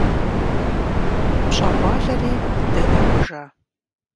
ПщӀэгъуалэри дэнэ кӀуэжа?